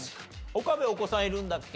岡部お子さんいるんだっけ？